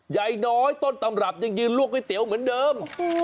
ยายน้อยต้นตำรับยังยืนลวกก๋วยเตี๋ยวเหมือนเดิม